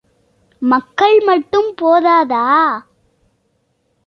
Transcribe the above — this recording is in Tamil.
மக்கள் மட்டும் போதாதா?